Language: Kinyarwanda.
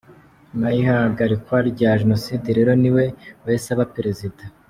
Nyuma y’ihagarikwa rya Jenoside rero niwe wahise aba Perezida.